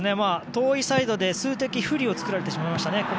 遠いサイドで数的不利を作られてしまいましたね。